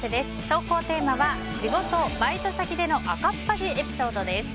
投稿テーマは仕事・バイト先での赤っ恥エピソードです。